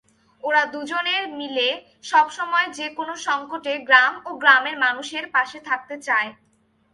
ওরা দুজনে মিলে সবসময় যে কোন সংকটে গ্রাম ও গ্রামের মানুষের পাশে থাকতে চায়।